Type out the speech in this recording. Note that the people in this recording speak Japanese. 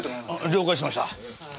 了解しました。